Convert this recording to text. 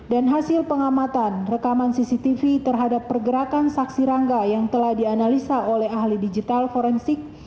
dan hasil pengamatan rekaman cctv terhadap pergerakan saksi rangga yang telah dianalisa oleh ahli digital forensik